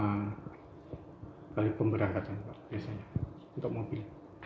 kalau pemberangkatan biasanya untuk mobil